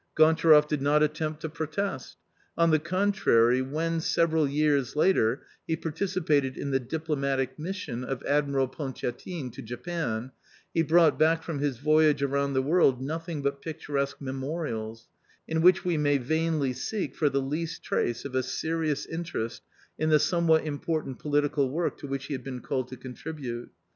" Gontcharoff did not attempt to protest On the contrary, when, several years later, he participated in the diplomatic mission of Admiral Pontiatine to Japan, he brought back from his voyage around the world nothing but picturesque memorials, in which we may vainly seek for the least trace of a serious interest in the somewhat important political work to which he had been called to contribute.